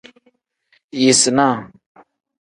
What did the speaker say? Yisinaa.